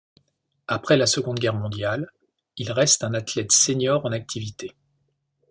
Après la Seconde Guerre mondiale, il reste un athlète senior en activité.